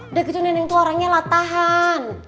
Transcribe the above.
udah gitu neneng itu orangnya latahan